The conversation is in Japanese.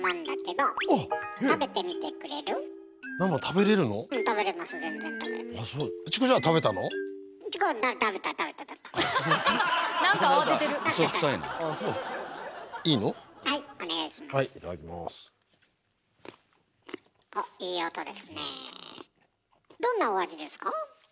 どんなお味ですか？